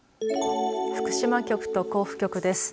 福島局と甲府局です。